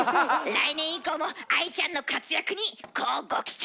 来年以降も愛ちゃんの活躍に乞うご期待！